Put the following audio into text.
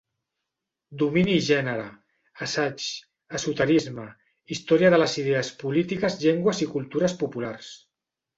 Domini i gènere: assaigs, esoterisme, història de les idees polítiques, llengües i cultures populars.